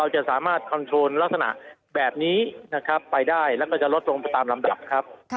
จากโถง๓ไปถึง๓แยก